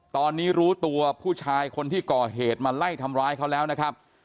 ตอนนี้รู้ตัวผู้ชายคนที่ก่อเหตุมาไล่ทำร้ายเขาแล้วนะครับ